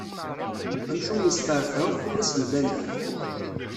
Amcum yesferfeɛ akk tullas yellan din.